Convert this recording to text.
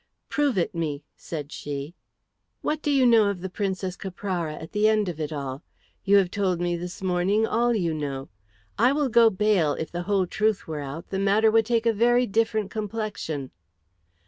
"Prove it me," said she. "What do you know of the Princess Caprara at the end of it all? You have told me this morning all you know. I will go bail if the whole truth were out the matter would take a very different complexion."